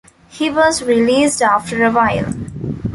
He was released after a while.